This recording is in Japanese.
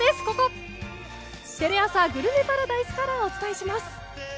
「テレアサグルメパラダイス」からお伝えします。